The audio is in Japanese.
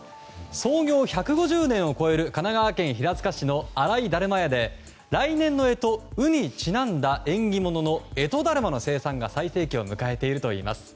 創業１５０年を超える神奈川県平塚市の荒井だるま屋で来年の干支、卯にちなんだ縁起物の干支だるまの生産が最盛期を迎えているといいます。